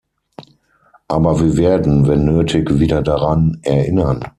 Aber wir werden, wenn nötig, wieder daran erinnern.